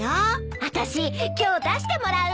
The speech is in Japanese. あたし今日出してもらう！